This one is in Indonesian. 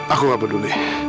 aku gak peduli